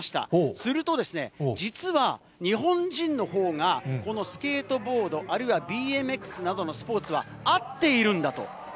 すると、実は日本人のほうが、このスケートボード、あるいはＢＭＸなどのスポーツは合っているんだと。